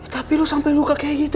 tapi lo sampai luka kayak gitu